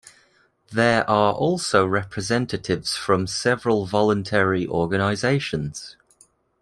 There are also representatives from several voluntary organisations.